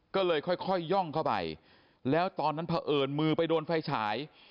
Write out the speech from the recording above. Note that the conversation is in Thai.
ก็เลยค่อยย่องเข้าไปแล้วตอนนั้นเผอิญมือไปโดนไฟฉาย